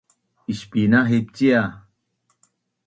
Ispinahip cia